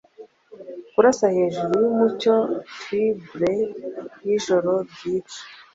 Kurasa hejuru yumucyo Fibure yijoro ryica,